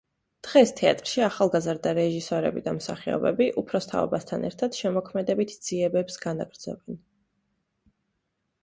დღეს თეატრში ახალგაზრდა რეჟისორები და მსახიობები, უფროს თაობასთან ერთად, შემოქმედებით ძიებებს განაგრძობენ.